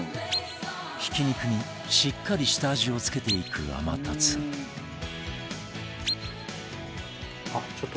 ひき肉にしっかり下味を付けていく天達あっちょっと。